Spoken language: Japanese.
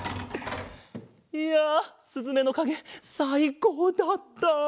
いやすずめのかげさいこうだった！